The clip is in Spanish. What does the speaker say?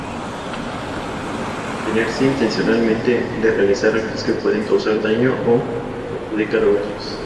Abstenerse intencionadamente de realizar actos que puedan causar daño o perjudicar a otros.